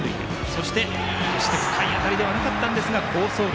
そして深い当たりではなかったんですが好走塁。